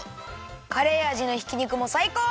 カレーあじのひき肉もさいこう！